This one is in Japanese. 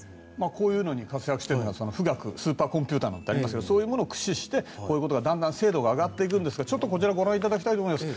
こういうのに活躍しているのはスーパーコンピューター富岳なんてありますがそういうものを駆使してだんだん精度が上がっていくんですがこちらをご覧いただきたいと思います。